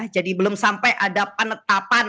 jadi belum sampai ada perubahan